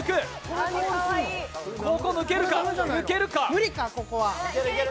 ここ、抜けるか、抜けるか？